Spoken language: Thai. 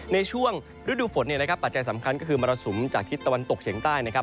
ในช่วงฤดูฝนปัจจัยสำคัญก็คือมรสุมจากฮิตตะวันตกเฉียงใต้นะครับ